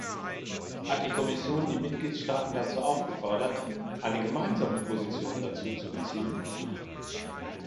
Hat die Kommission die Mitgliedstaaten dazu aufgefordert, eine gemeinsame Position dazu zu beziehen?